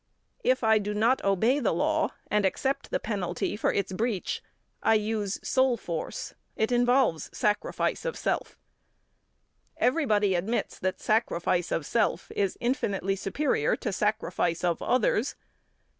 If I do not obey the law and accept the penalty for its breach, I use soul force. It involves sacrifice of self. Everybody admits that sacrifice of self is infinitely superior to sacrifice of others.